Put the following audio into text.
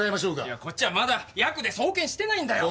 いやこっちはまだヤクで送検してないんだよ。